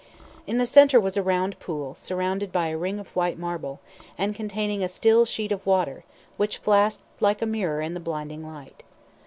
In the centre was a round pool, surrounded by a ring of white marble, and containing a still sheet of water, which flashed like a mirror in the blinding light.